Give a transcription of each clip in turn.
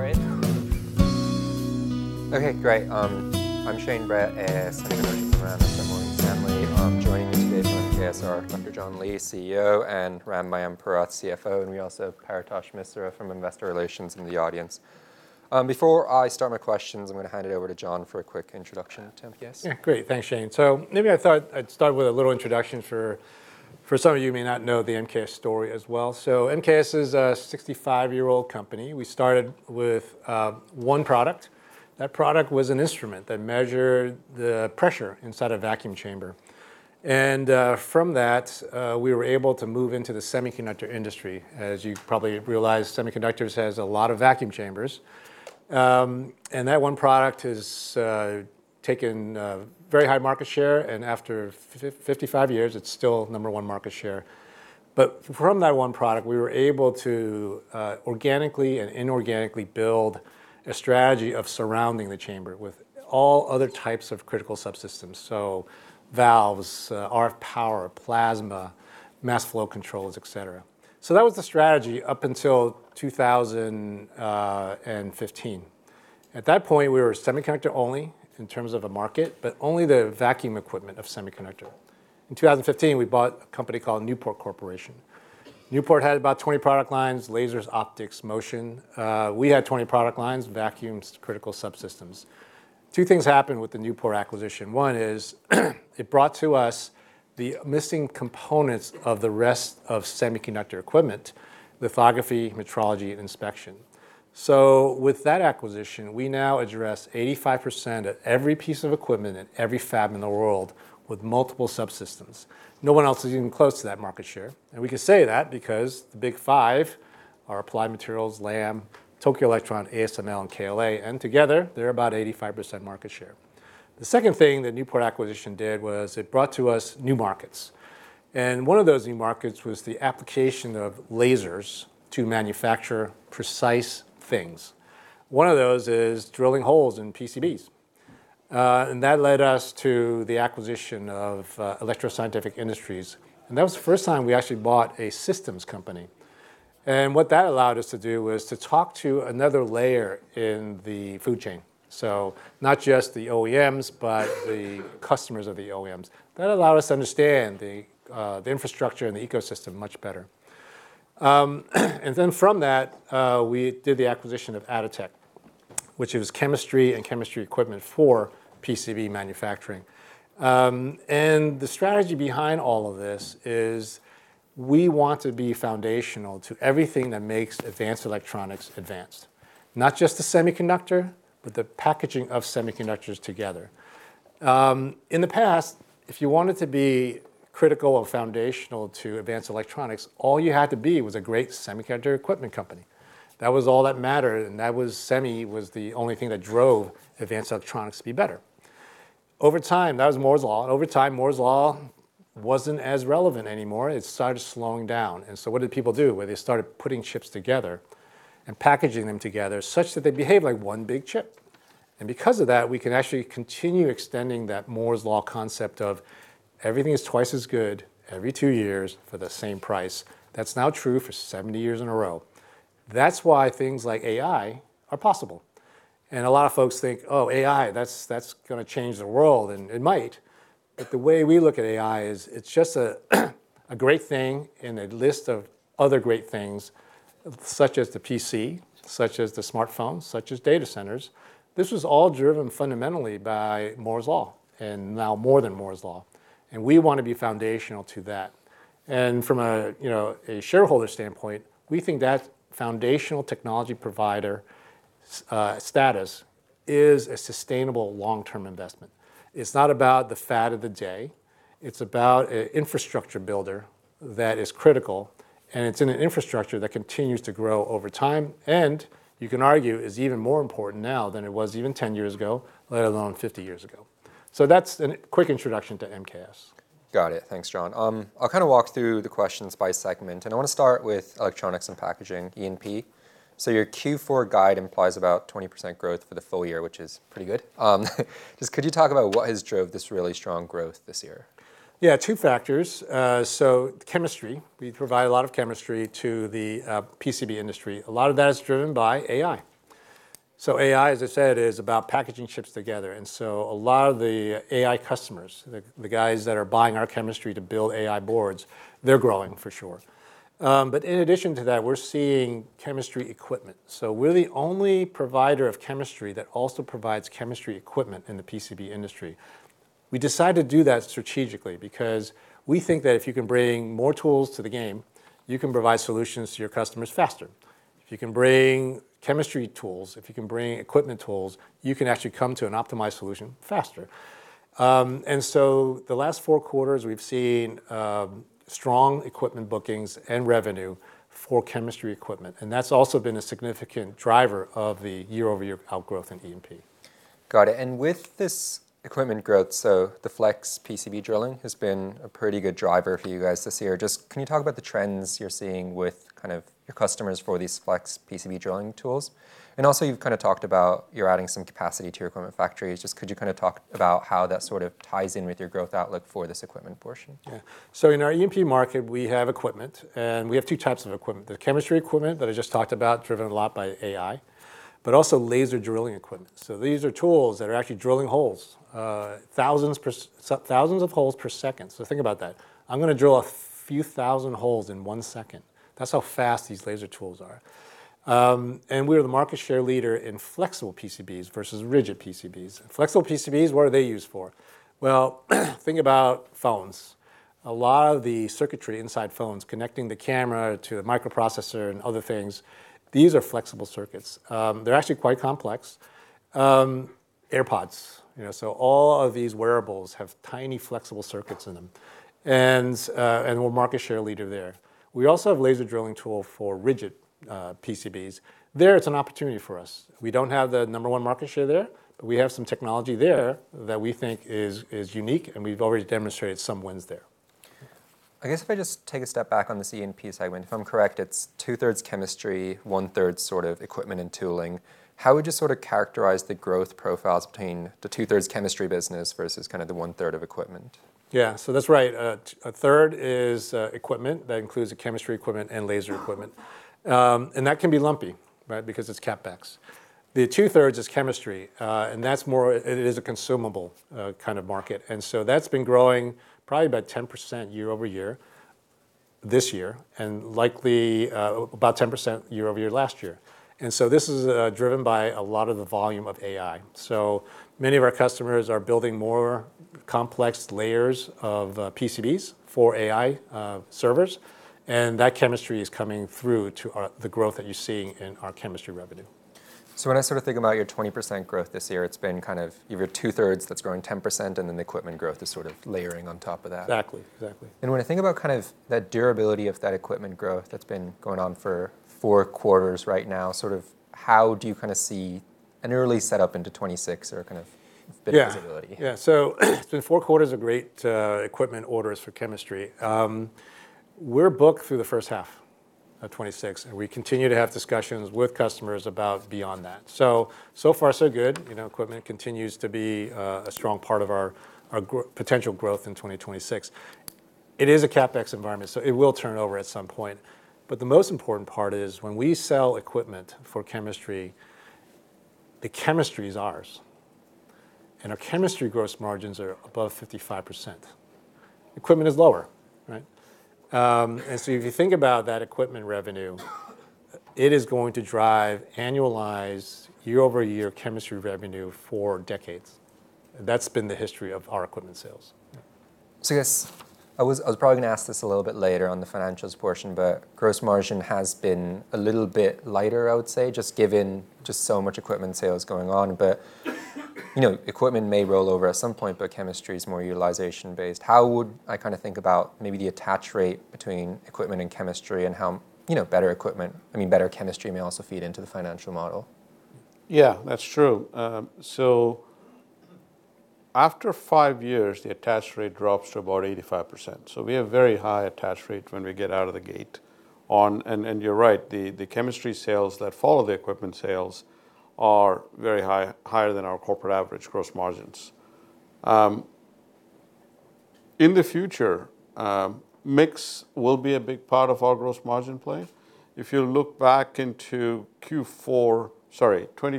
I guess we can get started. Okay, great. I'm Shane Brett, a senior analyst from Morgan Stanley. Joining me today from MKS are Dr. John Lee, CEO, and Ram Mayampurath, CFO. We also have Paretosh Misra from Investor Relations in the audience. Before I start my questions, I'm going to hand it over to John for a quick introduction to MKS. Yeah, great. Thanks, Shane. So maybe I thought I'd start with a little introduction for some of you who may not know the MKS story as well. So MKS is a 65-year-old company. We started with one product. That product was an instrument that measured the pressure inside a vacuum chamber. And from that, we were able to move into the semiconductor industry. As you probably realize, semiconductors have a lot of vacuum chambers. And that one product has taken a very high market share. And after 55 years, it's still number one market share. But from that one product, we were able to organically and inorganically build a strategy of surrounding the chamber with all other types of critical subsystems, so valves, RF power, plasma, mass flow controls, et cetera. So that was the strategy up until 2015. At that point, we were semiconductor only in terms of a market, but only the vacuum equipment of semiconductor. In 2015, we bought a company called Newport Corporation. Newport had about 20 product lines: lasers, optics, motion. We had 20 product lines: vacuums, critical subsystems. Two things happened with the Newport acquisition. One is it brought to us the missing components of the rest of semiconductor equipment: lithography, metrology, and inspection. So with that acquisition, we now address 85% of every piece of equipment in every fab in the world with multiple subsystems. No one else is even close to that market share. And we can say that because the big five are Applied Materials, Lam, Tokyo Electron, ASML, and KLA. And together, they're about 85% market share. The second thing that Newport acquisition did was it brought to us new markets. One of those new markets was the application of lasers to manufacture precise things. One of those is drilling holes in PCBs. That led us to the acquisition of Electro Scientific Industries. That was the first time we actually bought a systems company. What that allowed us to do was to talk to another layer in the food chain. So not just the OEMs, but the customers of the OEMs. That allowed us to understand the infrastructure and the ecosystem much better. Then from that, we did the acquisition of Atotech, which is chemistry and chemistry equipment for PCB manufacturing. The strategy behind all of this is we want to be foundational to everything that makes advanced electronics advanced, not just the semiconductor, but the packaging of semiconductors together. In the past, if you wanted to be critical or foundational to advanced electronics, all you had to be was a great semiconductor equipment company. That was all that mattered. And that semi was the only thing that drove advanced electronics to be better. Over time, that was Moore's Law. And over time, Moore's Law wasn't as relevant anymore. It started slowing down. And so what did people do? Well, they started putting chips together and packaging them together such that they behave like one big chip. And because of that, we can actually continue extending that Moore's Law concept of everything is twice as good every two years for the same price. That's now true for 70 years in a row. That's why things like AI are possible. And a lot of folks think, oh, AI, that's going to change the world. And it might. But the way we look at AI is it's just a great thing in a list of other great things, such as the PC, such as the smartphones, such as data centers. This was all driven fundamentally by Moore's Law and now more than Moore's Law. And we want to be foundational to that. And from a shareholder standpoint, we think that foundational technology provider status is a sustainable long-term investment. It's not about the fad of the day. It's about an infrastructure builder that is critical. And it's an infrastructure that continues to grow over time. And you can argue is even more important now than it was even 10 years ago, let alone 50 years ago. So that's a quick introduction to MKS. Got it. Thanks, John. I'll kind of walk through the questions by segment, and I want to start with Electronics and Packaging, E&P, so your Q4 guide implies about 20% growth for the full year, which is pretty good. Just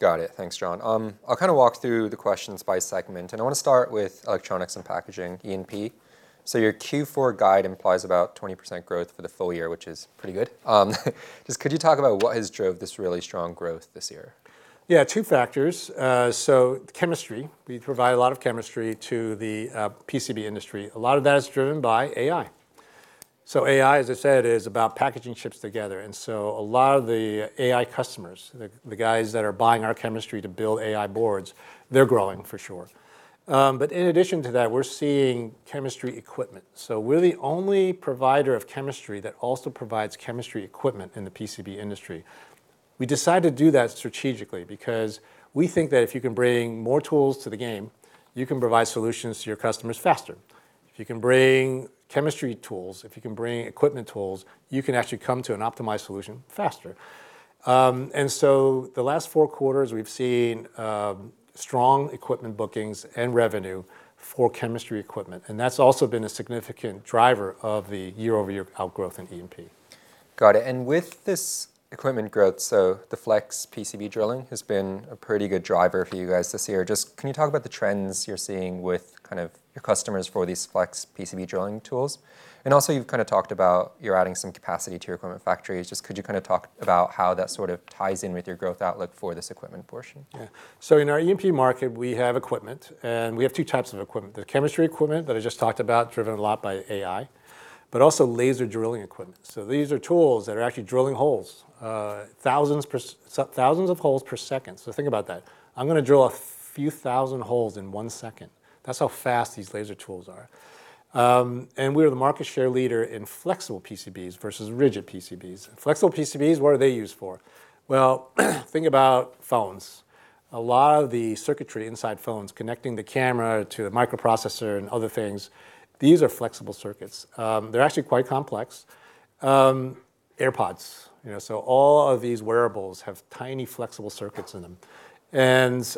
could you talk about what has drove this really strong growth this year? Yeah, two factors. So chemistry, we provide a lot of chemistry to the PCB industry. A lot of that is driven by AI. So AI, as I said, is about packaging chips together. And so a lot of the AI customers, the guys that are buying our chemistry to build AI boards, they're growing for sure. But in addition to that, we're seeing chemistry equipment. So we're the only provider of chemistry that also provides chemistry equipment in the PCB industry. We decided to do that strategically because we think that if you can bring more tools to the game, you can provide solutions to your customers faster. If you can bring chemistry tools, if you can bring equipment tools, you can actually come to an optimized solution faster. And so the last four quarters, we've seen strong equipment bookings and revenue for chemistry equipment. That's also been a significant driver of the year-over-year outgrowth in E&P. Got it. And with this equipment growth, so the flex PCB drilling has been a pretty good driver for you guys this year. Just can you talk about the trends you're seeing with kind of your customers for these flex PCB drilling tools? And also, you've kind of talked about you're adding some capacity to your equipment factories. Just could you kind of talk about how that sort of ties in with your growth outlook for this equipment portion? Yeah. So in our E&P market, we have equipment. And we have two types of equipment. There's chemistry equipment that I just talked about, driven a lot by AI, but also laser drilling equipment. So these are tools that are actually drilling holes, thousands of holes per second. So think about that. I'm going to drill a few thousand holes in one second. That's how fast these laser tools are. And we are the market share leader in flexible PCBs versus rigid PCBs. Flexible PCBs, what are they used for? Well, think about phones. A lot of the circuitry inside phones, connecting the camera to the microprocessor and other things, these are flexible circuits. They're actually quite complex. AirPods, so all of these wearables have tiny flexible circuits in them. And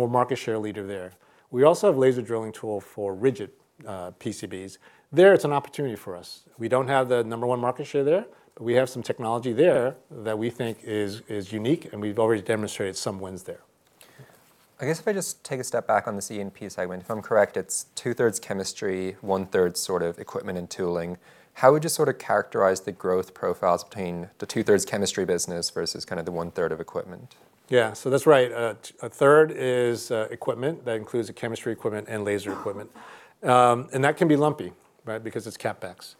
we're market share leader there. We also have laser drilling tools for rigid PCBs. There, it's an opportunity for us. We don't have the number one market share there, but we have some technology there that we think is unique. And we've already demonstrated some wins there. I guess if I just take a step back on this E&P segment, if I'm correct, it's two-thirds chemistry, one-third sort of equipment and tooling. How would you sort of characterize the growth profiles between the two-thirds chemistry business versus kind of the one-third of equipment? Yeah, so that's right. A third is equipment that includes chemistry equipment and laser equipment. And that can be lumpy because it's CapEx.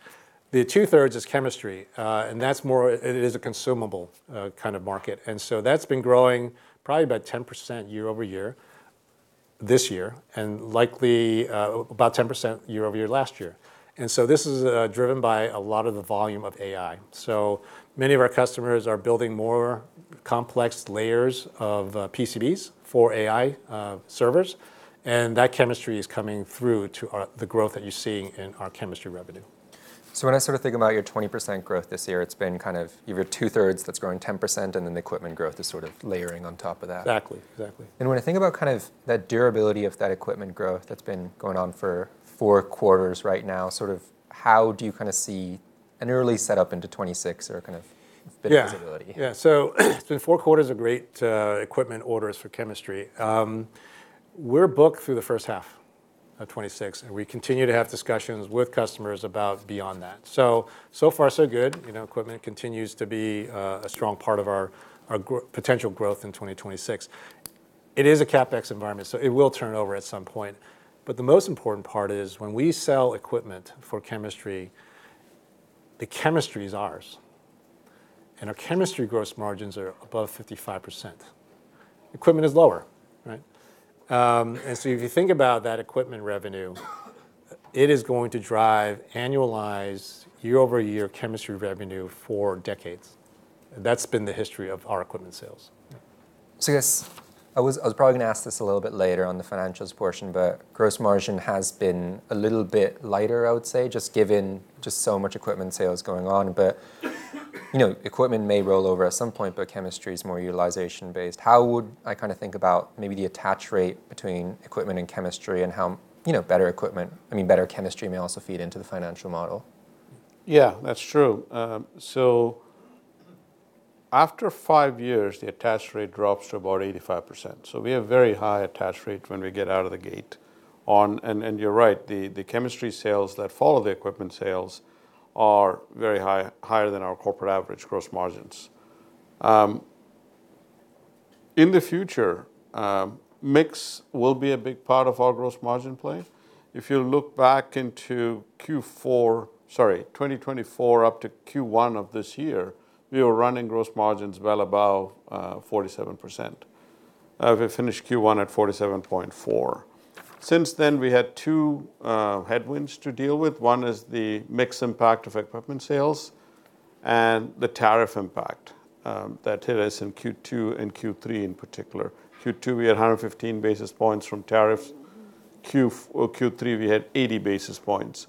The two-thirds is chemistry. And that's more it is a consumable kind of market. And so that's been growing probably about 10% year over year this year and likely about 10% year over year last year. And so this is driven by a lot of the volume of AI. So many of our customers are building more complex layers of PCBs for AI servers. And that chemistry is coming through to the growth that you're seeing in our chemistry revenue. So when I sort of think about your 20% growth this year, it's been kind of you have your two-thirds that's growing 10%. And then the equipment growth is sort of layering on top of that. Exactly. Exactly. When I think about kind of that durability of that equipment growth that's been going on for four quarters right now, sort of how do you kind of see an early setup into 2026 or kind of bit of visibility? Yeah. Yeah. So four quarters are great equipment orders for chemistry. We're booked through the first half of 2026. And we continue to have discussions with customers about beyond that. So, so far, so good. Equipment continues to be a strong part of our potential growth in 2026. It is a CapEx environment. So it will turn over at some point. But the most important part is when we sell equipment for chemistry, the chemistry is ours. And our chemistry gross margins are above 55%. Equipment is lower. And so if you think about that equipment revenue, it is going to drive annualized year-over-year chemistry revenue for decades. That's been the history of our equipment sales. So I was probably going to ask this a little bit later on the financials portion. But gross margin has been a little bit lighter, I would say, just given just so much equipment sales going on. But equipment may roll over at some point. But chemistry is more utilization-based. How would I kind of think about maybe the attach rate between equipment and chemistry and how better equipment, I mean, better chemistry may also feed into the financial model? Yeah, that's true. So after five years, the attach rate drops to about 85%. So we have very high attach rate when we get out of the gate. And you're right. The chemistry sales that follow the equipment sales are very high, higher than our corporate average gross margins. In the future, mix will be a big part of our gross margin play. If you look back into Q4, sorry, 2024 up to Q1 of this year, we were running gross margins well above 47%. We finished Q1 at 47.4%. Since then, we had two headwinds to deal with. One is the mix impact of equipment sales and the tariff impact that hit us in Q2 and Q3 in particular. Q2, we had 115 basis points from tariffs. Q3, we had 80 basis points.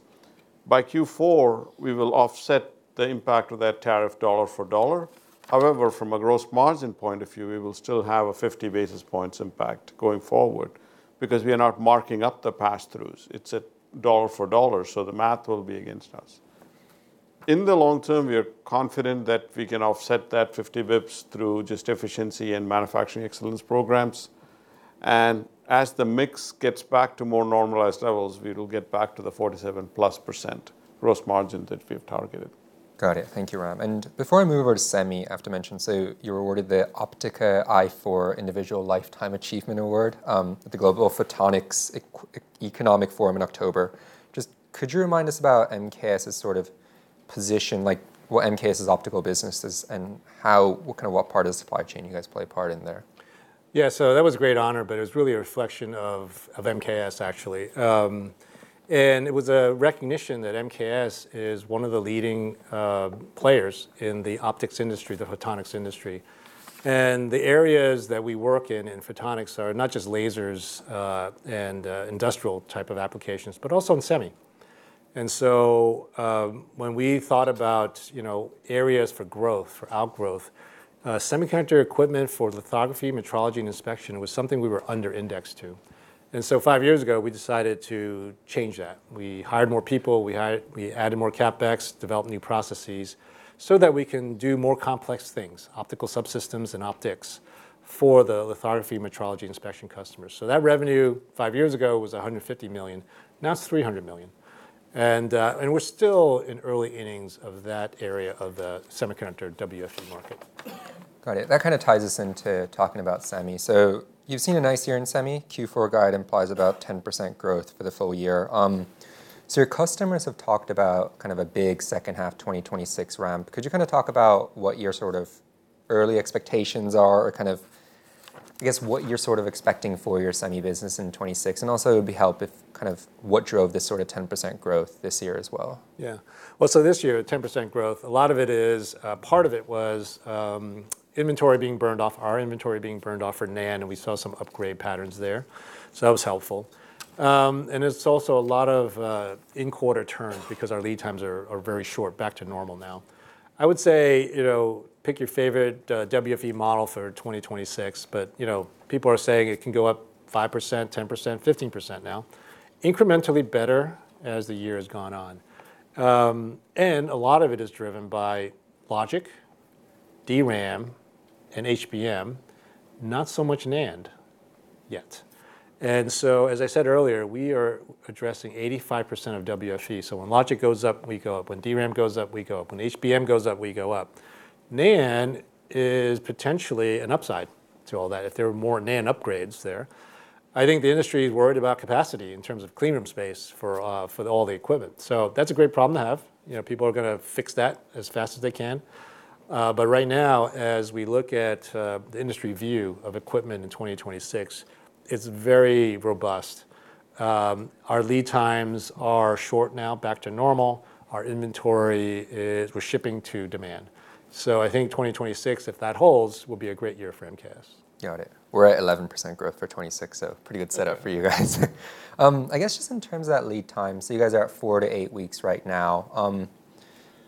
By Q4, we will offset the impact of that tariff dollar for dollar. However, from a gross margin point of view, we will still have a 50 basis points impact going forward because we are not marking up the pass-throughs. It's a dollar for dollar. So the math will be against us. In the long term, we are confident that we can offset that 50 basis points through just efficiency and manufacturing excellence programs. And as the mix gets back to more normalized levels, we will get back to the 47-plus% gross margin that we have targeted. Got it. Thank you, Rob. And before I move over to semi, I have to mention, so you were awarded the Optica i4 Individual Lifetime Achievement Award at the Global Photonics Economic Forum in October. Just could you remind us about MKS's sort of position, like what MKS's optical business is and kind of what part of the supply chain you guys play a part in there? Yeah, so that was a great honor. But it was really a reflection of MKS, actually. And it was a recognition that MKS is one of the leading players in the optics industry, the photonics industry. And the areas that we work in in photonics are not just lasers and industrial type of applications, but also in semi. And so when we thought about areas for growth, for outgrowth, semiconductor equipment for lithography, metrology, and inspection was something we were under-indexed to. And so five years ago, we decided to change that. We hired more people. We added more CapEx, developed new processes so that we can do more complex things, optical subsystems and optics for the lithography, metrology, inspection customers. So that revenue five years ago was $150 million. Now it's $300 million. And we're still in early innings of that area of the semiconductor WFE market. Got it. That kind of ties us into talking about semi. So you've seen a nice year in semi. Q4 guide implies about 10% growth for the full year. So your customers have talked about kind of a big second half 2026 ramp. Could you kind of talk about what your sort of early expectations are or kind of, I guess, what you're sort of expecting for your semi business in 2026? And also, it would be helpful if kind of what drove this sort of 10% growth this year as well. Yeah. Well, so this year, 10% growth, a lot of it is part of it was inventory being burned off, our inventory being burned off for NAND. And we saw some upgrade patterns there. So that was helpful. And it's also a lot of in-quarter turn because our lead times are very short, back to normal now. I would say pick your favorite WFE model for 2026. But people are saying it can go up 5%, 10%, 15% now, incrementally better as the year has gone on. And a lot of it is driven by logic, DRAM, and HBM, not so much NAND yet. And so, as I said earlier, we are addressing 85% of WFE. So when logic goes up, we go up. When DRAM goes up, we go up. When HBM goes up, we go up. NAND is potentially an upside to all that if there are more NAND upgrades there. I think the industry is worried about capacity in terms of cleanroom space for all the equipment. So that's a great problem to have. People are going to fix that as fast as they can. But right now, as we look at the industry view of equipment in 2026, it's very robust. Our lead times are short now, back to normal. Our inventory is. We're shipping to demand. So I think 2026, if that holds, will be a great year for MKS. Got it. We're at 11% growth for 2026, so pretty good setup for you guys. I guess just in terms of that lead time, so you guys are at four to eight weeks right now.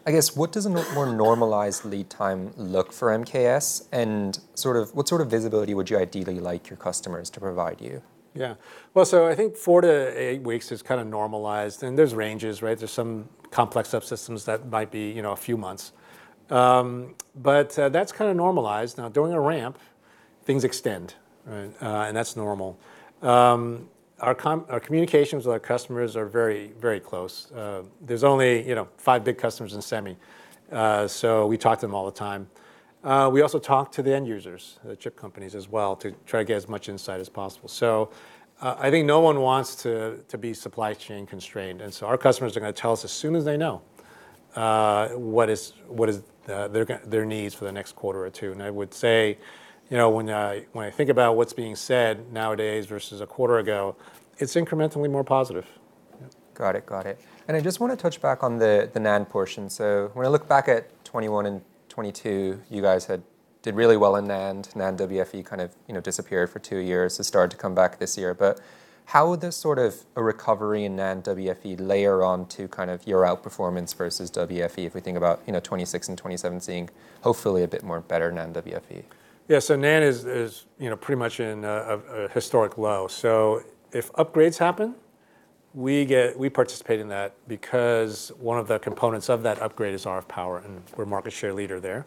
I guess what does a more normalized lead time look like for MKS? And sort of what sort of visibility would you ideally like your customers to provide you? Yeah. Well, so I think four to eight weeks is kind of normalized. And there's ranges, right? There's some complex subsystems that might be a few months. But that's kind of normalized. Now, during a ramp, things extend. And that's normal. Our communications with our customers are very, very close. There's only five big customers in semi. So we talk to them all the time. We also talk to the end users, the chip companies as well, to try to get as much insight as possible. So I think no one wants to be supply chain constrained. And so our customers are going to tell us as soon as they know what is their needs for the next quarter or two. And I would say when I think about what's being said nowadays versus a quarter ago, it's incrementally more positive. Got it. Got it. And I just want to touch back on the NAND portion. So when I look back at 2021 and 2022, you guys did really well in NAND. NAND WFE kind of disappeared for two years. It started to come back this year. But how would this sort of a recovery in NAND WFE layer onto kind of your outperformance versus WFE if we think about 2026 and 2027 seeing hopefully a bit more better NAND WFE? Yeah. So NAND is pretty much in a historic low. So if upgrades happen, we participate in that because one of the components of that upgrade is RF power. And we're market share leader there.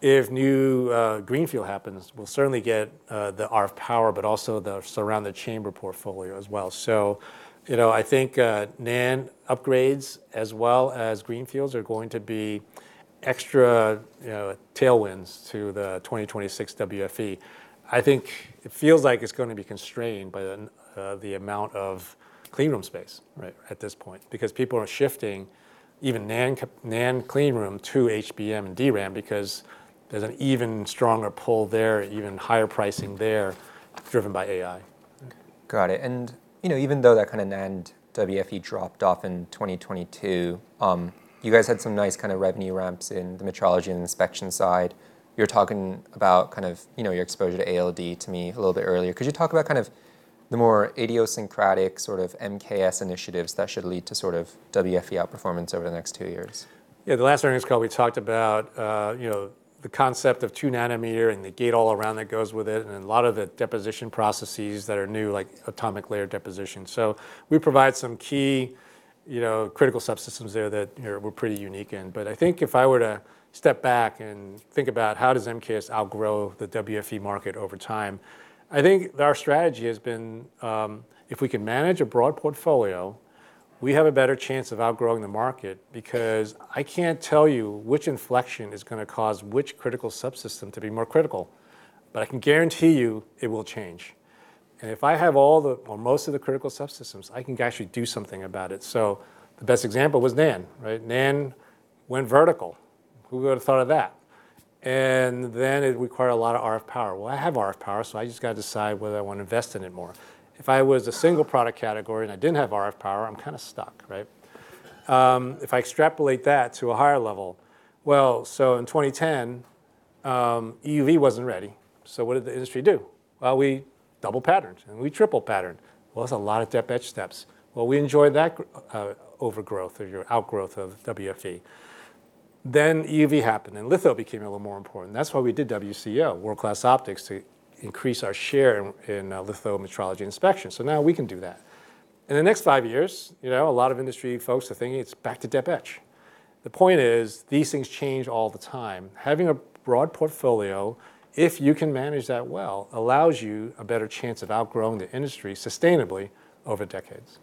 If new greenfield happens, we'll certainly get the RF power, but also the surround the chamber portfolio as well. So I think NAND upgrades as well as greenfields are going to be extra tailwinds to the 2026 WFE. I think it feels like it's going to be constrained by the amount of cleanroom space at this point because people are shifting even NAND cleanroom to HBM and DRAM because there's an even stronger pull there, even higher pricing there driven by AI. Got it. And even though that kind of NAND WFE dropped off in 2022, you guys had some nice kind of revenue ramps in the metrology and inspection side. You were talking about kind of your exposure to ALD to me a little bit earlier. Could you talk about kind of the more idiosyncratic sort of MKS initiatives that should lead to sort of WFE outperformance over the next two years? Yeah. The last earnings call, we talked about the concept of two nanometer and the Gate-All-Around that goes with it and a lot of the deposition processes that are new, like Atomic Layer Deposition, so we provide some key And if I have all the or most of the critical subsystems, I can actually do something about it. So the best example was NAND, right? NAND went vertical. Who would have thought of that, and then it required a lot of RF power. Well, I have RF power. So I just got to decide whether I want to invest in it more. If I was a single product category and I didn't have RF power, I'm kind of stuck, right? If I extrapolate that to a higher level, well, so in 2010, EUV wasn't ready. So what did the industry do? Well, we double patterned. And we triple patterned. Well, that's a lot of deposition and etch steps. Well, we enjoyed that overgrowth or our outgrowth of WFE. Then EUV happened. And litho became a little more important. That's why we did WCO, world-class optics, to increase our share in litho metrology inspection. So now we can do that. In the next five years, a lot of industry folks are thinking it's back to deposition and etch. The point is these things change all the time. Having a broad portfolio, if you can manage that well, allows you a better chance of outgrowing the industry sustainably over decades.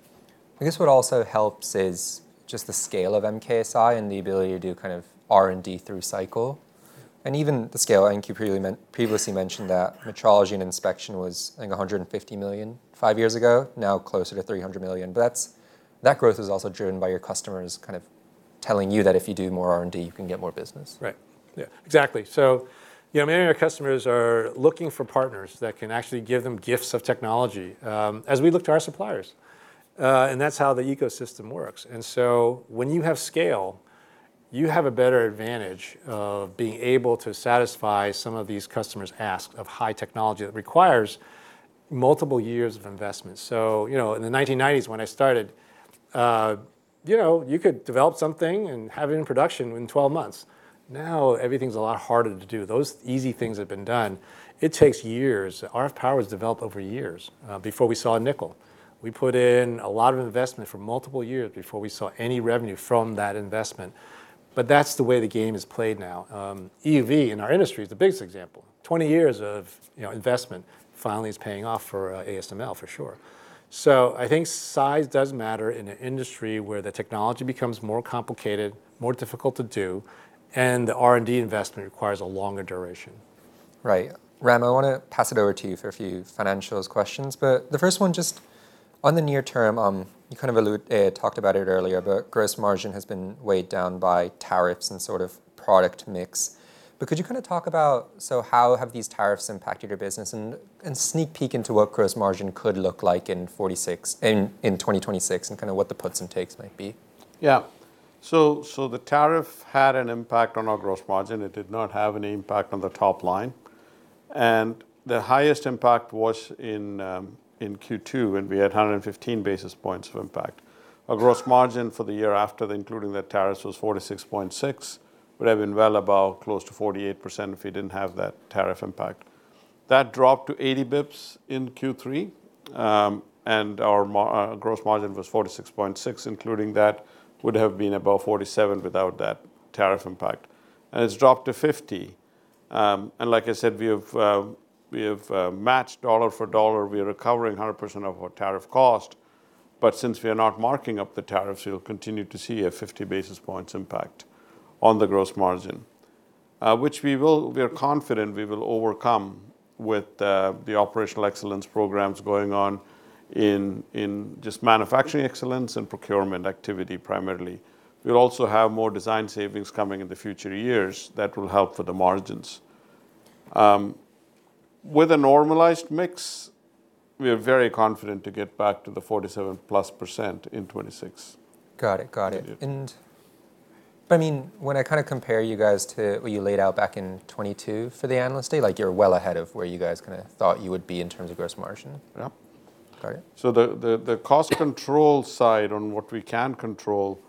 I guess what also helps is just the scale of MKSI and the ability to do kind of R&D through cycle. And even the scale, I think you previously mentioned that metrology and inspection was, I think, $150 million five years ago, now closer to $300 million. But that growth is also driven by your customers kind of telling you that if you do more R&D, you can get more business. Right. Yeah, exactly. So many of our customers are looking for partners that can actually give them kits of technology as we look to our suppliers. And that's how the ecosystem works. And so when you have scale, you have a better advantage of being able to satisfy some of these customers' ask of high technology that requires multiple years of investment. So in the 1990s, when I started, you could develop something and have it in production in 12 months. Now everything's a lot harder to do. Those easy things have been done. It takes years. RF power was developed over years before we saw a nickel. We put in a lot of investment for multiple years before we saw any revenue from that investment. But that's the way the game is played now. EUV in our industry is the biggest example. 20 years of investment finally is paying off for ASML, for sure, so I think size does matter in an industry where the technology becomes more complicated, more difficult to do, and the R&D investment requires a longer duration. Right. Ram, I want to pass it over to you for a few financials questions. But the first one, just on the near term, you kind of alluded, talked about it earlier, but gross margin has been weighed down by tariffs and sort of product mix. But could you kind of talk about how have these tariffs impacted your business and sneak peek into what gross margin could look like in 2026 and kind of what the puts and takes might be? Yeah. So the tariff had an impact on our gross margin. It did not have any impact on the top line. And the highest impact was in Q2 when we had 115 basis points of impact. Our gross margin for the year after, including the tariffs, was 46.6%, would have been well above, close to 48% if we didn't have that tariff impact. That dropped to 80 basis points in Q3. And our gross margin was 46.6%, including that, would have been above 47% without that tariff impact. And it's dropped to 50. And like I said, we have matched dollar for dollar. We are recovering 100% of our tariff cost. But since we are not marking up the tariffs, we will continue to see a 50 basis points impact on the gross margin, which we are confident we will overcome with the operational excellence programs going on in just manufacturing excellence and procurement activity primarily. We'll also have more design savings coming in the future years that will help for the margins. With a normalized mix, we are very confident to get back to the 47-plus% in 2026. Got it, got it. And I mean, when I kind of compare you guys to what you laid out back in 2022 for the analyst day, you're well ahead of where you guys kind of thought you would be in terms of gross margin. Yeah. Got it. So the cost control side on what we can control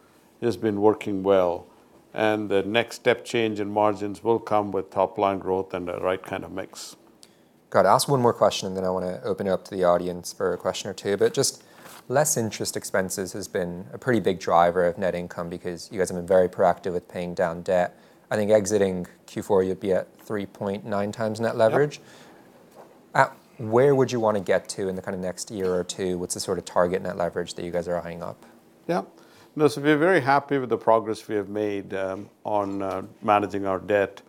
has been working well. And the next step change in margins will come with top line growth and the right kind of mix. Got it. I'll ask one more question, and then I want to open it up to the audience for a question or two. But just less interest expenses has been a pretty big driver of net income because you guys have been very proactive with paying down debt. I think exiting Q4, you'd be at 3.9 times net leverage. Where would you want to get to in the kind of next year or two? What's the sort of target net leverage that you guys are eyeing up? Yeah. No, so we're very happy with the progress we have made on managing our debt.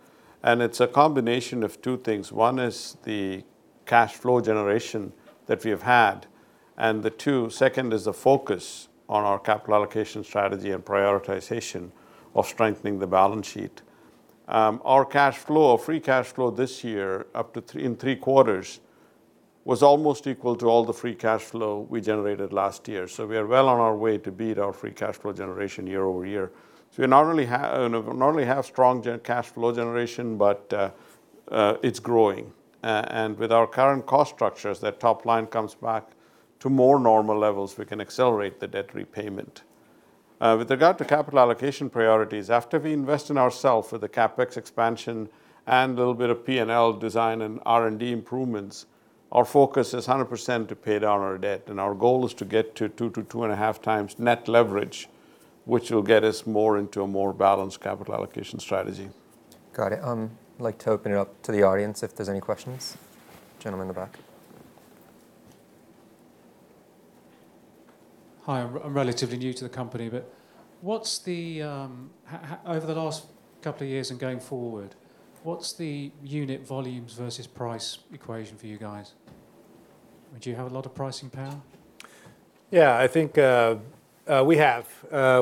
And it's a combination of two things. One is the cash flow generation that we have had. And the second is the focus on our capital allocation strategy and prioritization of strengthening the balance sheet. Our cash flow, our free cash flow this year up to in three quarters was almost equal to all the free cash flow we generated last year. So we are well on our way to beat our free cash flow generation year over year. So we not only have strong cash flow generation, but it's growing. And with our current cost structures, that top line comes back to more normal levels. We can accelerate the debt repayment. With regard to capital allocation priorities, after we invest in ourselves for the CapEx expansion and a little bit of P&L design and R&D improvements, our focus is 100% to pay down our debt, and our goal is to get to two to two and a half times net leverage, which will get us more into a more balanced capital allocation strategy. Got it. I'd like to open it up to the audience if there's any questions. Gentlemen in the back. Hi. I'm relatively new to the company, but over the last couple of years and going forward, what's the unit volumes versus price equation for you guys? Would you have a lot of pricing power? Yeah, I think we have.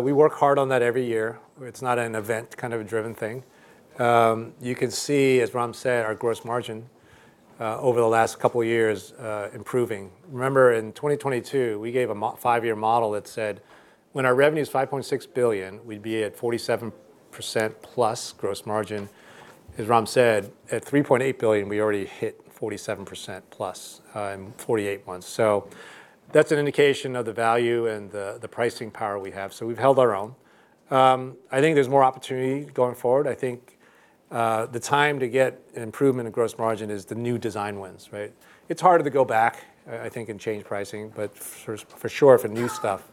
We work hard on that every year. It's not an event kind of a driven thing. You can see, as Ram said, our gross margin over the last couple of years improving. Remember, in 2022, we gave a five-year model that said when our revenue is $5.6 billion, we'd be at 47% plus gross margin. As Ram said, at $3.8 billion, we already hit 47% plus in 48 months. So that's an indication of the value and the pricing power we have. So we've held our own. I think there's more opportunity going forward. I think the time to get an improvement in gross margin is the new design wins, right? It's harder to go back, I think, and change pricing. But for sure, for new stuff,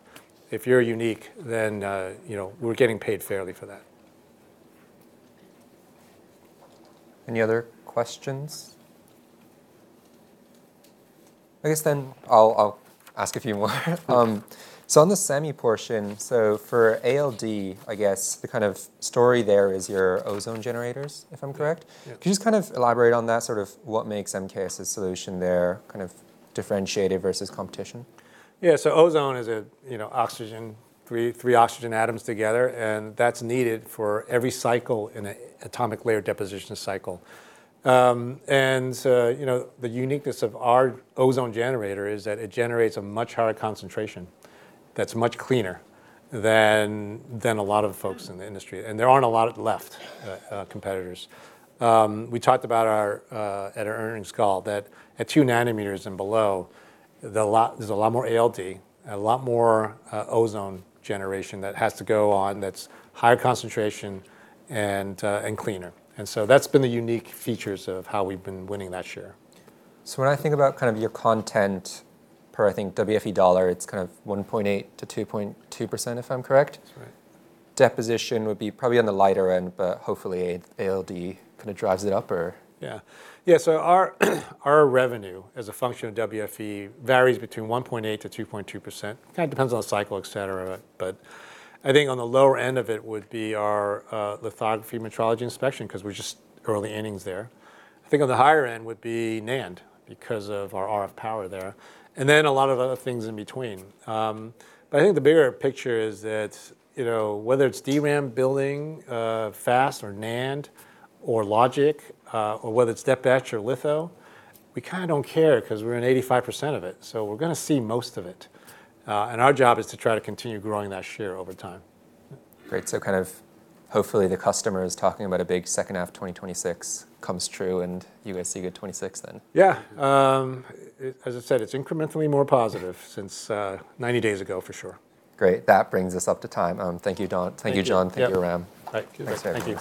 if you're unique, then we're getting paid fairly for that. Any other questions? I guess then I'll ask a few more, so on the semi portion, so for ALD, I guess the kind of story there is your ozone generators, if I'm correct. Could you just kind of elaborate on that, sort of what makes MKS's solution there kind of differentiated versus competition? Yeah, so ozone is O3, three oxygen atoms together. And that's needed for every cycle in an Atomic Layer Deposition cycle. And the uniqueness of our ozone generator is that it generates a much higher concentration that's much cleaner than a lot of folks in the industry. And there aren't a lot of competitors left. We talked about it at our earnings call that at two nanometers and below, there's a lot more ALD, a lot more ozone generation that has to go on that's higher concentration and cleaner. And so that's been the unique features of how we've been winning that share. So when I think about kind of your content per, I think, WFE dollar, it's kind of 1.8%-2.2%, if I'm correct. That's right. Deposition would be probably on the lighter end, but hopefully ALD kind of drives it up, or? Yeah. Yeah, so our revenue as a function of WFE varies between 1.8%-2.2%. Kind of depends on the cycle, et cetera. But I think on the lower end of it would be our lithography metrology inspection because we're just early innings there. I think on the higher end would be NAND because of our RF power there. And then a lot of other things in between. But I think the bigger picture is that whether it's DRAM building fast or NAND or logic or whether it's deposition and etch or litho, we kind of don't care because we're in 85% of it. So we're going to see most of it. And our job is to try to continue growing that share over time. Great. So kind of hopefully the customer is talking about a big second half 2026 comes true and you guys see good 2026 then. Yeah. As I said, it's incrementally more positive since 90 days ago, for sure. Great. That brings us up to time. Thank you, Don. Thank you, John. Thank you, Ram. All right. Thanks, everyone.